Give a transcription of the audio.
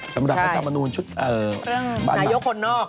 สำหรับการทำอนุญชุดบันลักษณ์นายกคนนอก